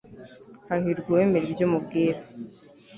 hahirwa uwemera ibyo mubwira